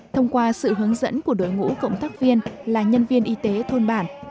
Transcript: thông qua sự hướng dẫn của đội ngũ cộng tác viên là nhân viên y tế thôn bản